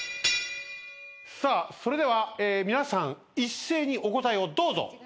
さあそれでは皆さん一斉にお答えをどうぞ。